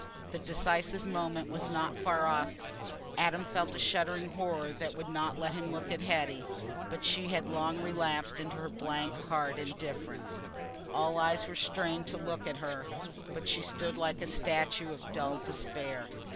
The decisive moment was not far off. Adam felt a shuddering horror that would not let him look at Hetty, but she had long relapsed into her blank hard indifference. All eyes were strained to look at her, but she stood like a statue of dull despair.